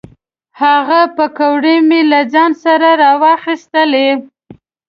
هغه پیکورې مې له ځان سره را واخیستلې.